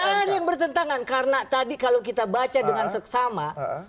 bukan yang bertentangan karena tadi kalau kita baca dengan seksama